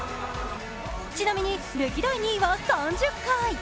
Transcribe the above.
ちなみに歴代２位は３０回。